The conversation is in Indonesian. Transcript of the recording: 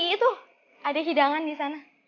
itu ada hidangan di sana